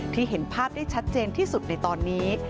เห็นภาพได้ชัดเจนที่สุดในตอนนี้